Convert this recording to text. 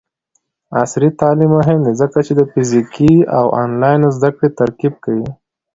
عصري تعلیم مهم دی ځکه چې د فزیکي او آنلاین زدکړې ترکیب کوي.